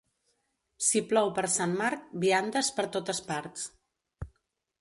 Si plou per Sant Marc, viandes per totes parts.